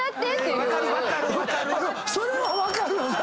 それは分かるよな。